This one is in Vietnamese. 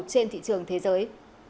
trên thị trường thế giới